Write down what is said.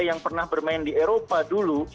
yang pernah bermain di eropa dulu